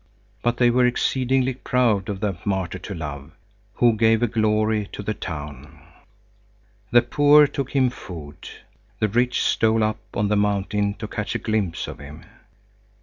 But they were exceedingly proud of that martyr to love who gave a glory to the town. The poor took him food. The rich stole up on the mountain to catch a glimpse of him.